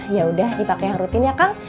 yaudah dipake yang rutin ya kang